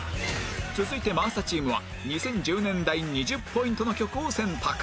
続いて真麻チームは２０１０年代２０ポイントの曲を選択